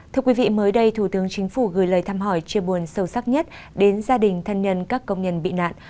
thưa quý vị mới đây thủ tướng chính phủ gửi lời thăm hỏi chia buồn sâu sắc nhất đến gia đình thân nhân các công nhân bị nạn